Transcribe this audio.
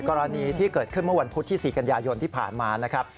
กรณีที่เกิดขึ้นเมื่อวันพุธที่๔กันยายนที่ผ่านมานะครับ